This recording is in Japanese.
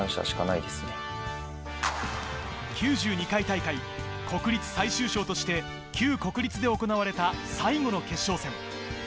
９２回大会、国立最蹴章として旧国立で行われた最後の決勝戦。